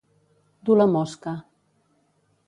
Dur la mosca.